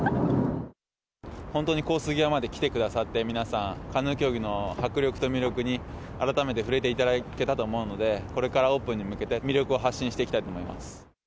本当にコース際まで来てくださって、皆さん、カヌー競技の迫力と魅力に改めて触れていただけたと思うので、これからオープンに向けて、魅力を発信していきたいと思いま